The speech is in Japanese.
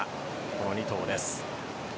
この２頭です。